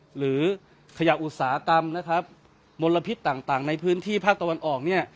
หรือขยะอุตสาหกรรมนะครับมลพิษต่างต่างในพื้นที่พลาดอออกเนี่ย